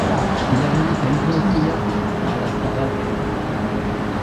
இவரும் கன்பூஷியஸ் காலத்தவர்.